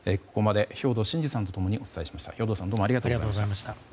ここまで兵頭慎治さんと共にお伝えしました。